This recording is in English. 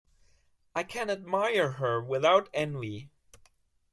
I can admire her without envy.